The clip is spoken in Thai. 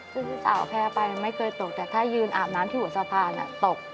ซึ่งพี่สาวแพ้ไปไม่เคยตกแต่ถ้ายืนอาบน้ำที่หัวสะพานตก